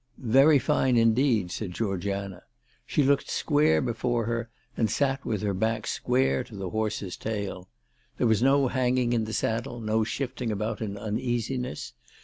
" Yery fine, indeed," said Georgiana. She looked square before her, and sat with her back square to the horse's tail. There was no hanging in the saddle, no shifting about in uneasiness.